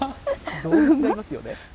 動物がいますよね。